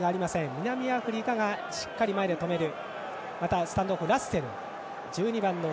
南アフリカがしっかり前で止めた。